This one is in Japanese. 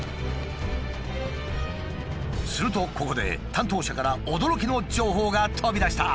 するとここで担当者から驚きの情報が飛び出した！